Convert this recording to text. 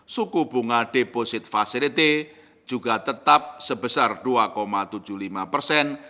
suku bunga deposit facility juga tetap sebesar dua tujuh puluh lima persen